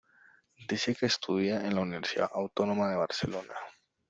Dice que estudia en la Universidad Autónoma de Barcelona.